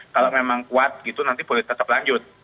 kalau memang kuat gitu nanti boleh tetap lanjut